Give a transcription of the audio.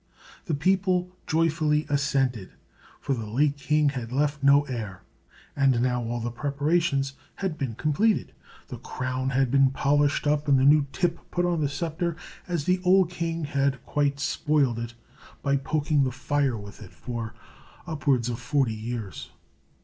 The people joyfully assented, for the late king had left no heir; and now all the preparations had been completed. The crown had been polished up, and a new tip put on the sceptre, as the old king had quite spoiled it by poking the fire with it for upwards of forty years.